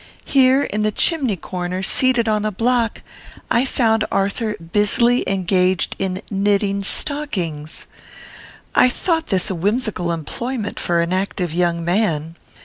Here, in the chimney corner, seated on a block, I found Arthur busily engaged in knitting stockings! I thought this a whimsical employment for a young active man.